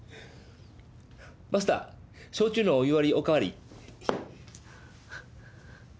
マスター焼酎のお湯割りお代わり。